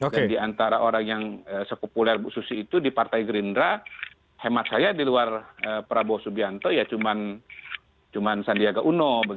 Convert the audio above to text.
dan di antara orang yang sekopuler ibu susi itu di partai gerindra hemat saya di luar prabowo subianto ya cuma sandiaga uno